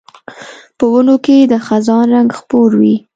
په ونو کې د خزان رنګ خپور وي